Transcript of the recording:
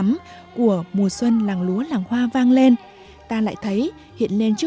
mùa xuân làng lúa làng hoa của nhạc sĩ ngọc khuê